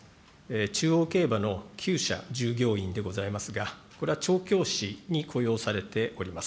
中央競馬のきゅう舎従業員でございますが、これは調教師に雇用されております。